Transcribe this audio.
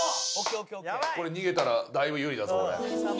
これ逃げたらだいぶ有利だぞ俺。